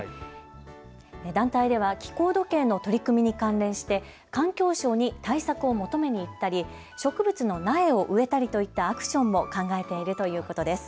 団体では気候時計の取り組みに関連して環境省に対策を求めに行ったり、植物の苗を植えたりといったアクションも考えているということです。